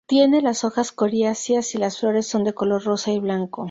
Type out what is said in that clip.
Tiene las hojas coriáceas y las flores son de color rosa y blanco.